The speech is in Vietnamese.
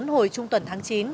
hồi trung tuần tháng chín